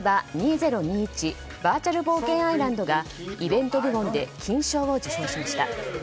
バーチャル冒険アイランド」がイベント部門で金賞を受賞しました。